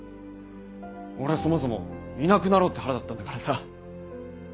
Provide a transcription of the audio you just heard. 俺はそもそもいなくなろうって肚だったんだからさ。